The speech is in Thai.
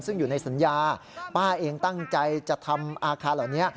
ซึ่งอยู่ในสัญญาป้าเองตั้งใจจะทำอาคารเหล่านี้